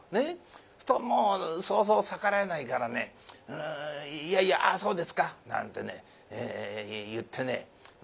そうするともうそうそう逆らえないからね「いやいやそうですか」なんてね言ってね「待った」するわけですよ。